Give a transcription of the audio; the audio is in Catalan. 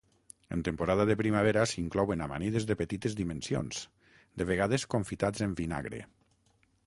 En temporada de primavera s'inclouen amanides de petites dimensions, de vegades confitats en vinagre.